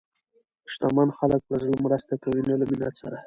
شتمن خلک له زړه مرسته کوي، نه له منت سره.